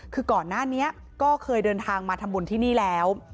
คือก่อนหน้านี้ก็เคยเดินทางมาทำบุญที่นี่แล้ว